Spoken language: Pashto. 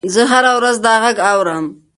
زه هره ورځ دا غږ اورم.